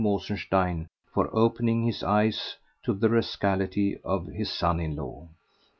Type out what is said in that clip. Mosenstein for opening his eyes to the rascality of his son in law.